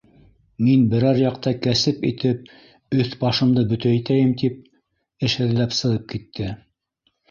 Мин берәр яҡта кәсеп итеп, өҫ-башымды бөтәйтәйем, — тип эш эҙләп сығып китте.